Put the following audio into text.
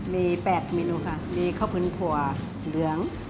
มี๘เมนูค่ะมีข้าวพื้นถั่วเหลือง